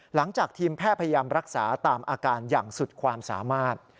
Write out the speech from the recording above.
หลังจากทีมแพทย์พยายามรักษาตามอาการอย่างสุดความสามารถ